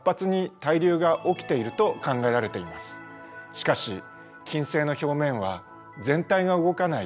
しかし金星の表面は全体が動かない１枚の硬い